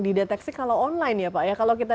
dideteksi kalau online ya pak ya kalau kita